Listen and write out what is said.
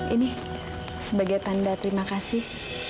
ini sebagai tanda terima kasih